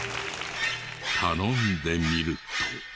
頼んでみると。